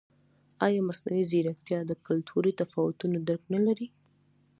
ایا مصنوعي ځیرکتیا د کلتوري تفاوتونو درک نه لري؟